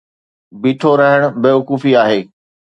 بيٺو رھڻ بيوقوفي آھي.